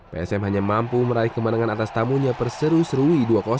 psm hanya mampu meraih kemenangan atas tamunya perseru serui dua